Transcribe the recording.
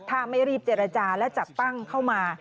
ถ้าไม่รีบเจรจาและจัดตั้งเข้ามา